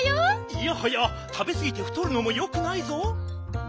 いやはやたべすぎてふとるのもよくないぞ。